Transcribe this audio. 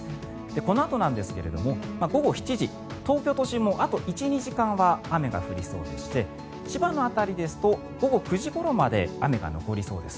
このあとなんですが午後７時、東京都心もあと１２時間は雨が降りそうでして千葉の辺りですと午後９時ごろまで雨が残りそうです。